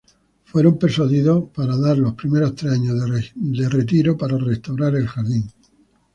Fueron persuadidos para dar los primeros tres años de retiro para restaurar el jardín.